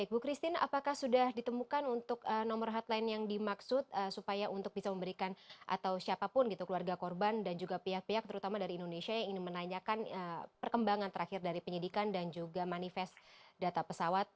baik bu christine apakah sudah ditemukan untuk nomor headline yang dimaksud supaya untuk bisa memberikan atau siapapun gitu keluarga korban dan juga pihak pihak terutama dari indonesia yang ingin menanyakan perkembangan terakhir dari penyidikan dan juga manifest data pesawat